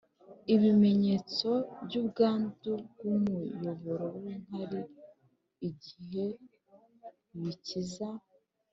ibimenyetso by’ubwandu bw’umuyoboro w’inkari igihe bikiza